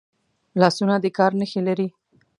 لاسونه د کار نښې لري